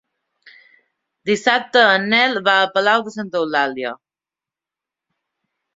Dissabte en Nel va a Palau de Santa Eulàlia.